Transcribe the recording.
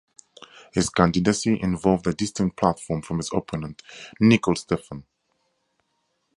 His candidacy involved a distinct platform from his opponent Nicol Stephen.